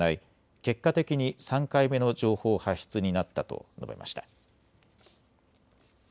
結果的に３回目の情報発出になったと述べました。